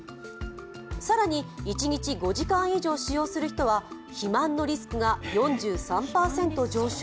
更に一日５時間以上使用する人は肥満のリスクが４３％上昇。